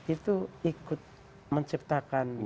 itu ikut menciptakan